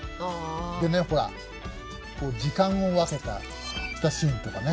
でねほら時間を分けたシーンとかね。